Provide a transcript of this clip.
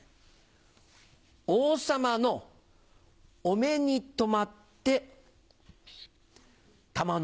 王様のお目に留まって玉の輿。